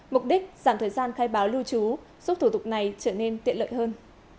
mục đích giảm thời gian khai báo lưu trú giúp thủ tục này trở nên tiện lợi hơn